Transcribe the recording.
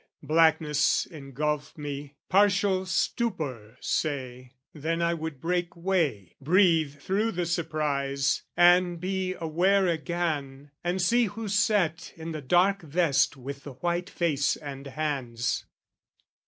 Blackness engulphed me, partial stupor, say Then I would break way, breathe through the surprise, And be aware again, and see who sat In the dark vest with the white face and hands.